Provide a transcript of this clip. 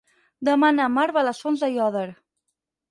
Demà na Mar va a les Fonts d'Aiòder.